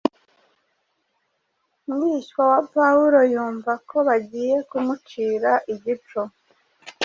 Mwishywa wa Pawulo yumva ko bagiye kumucira igico,